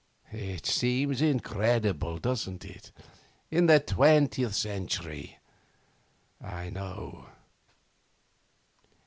'It seems incredible, doesn't it, in the twentieth century? I know.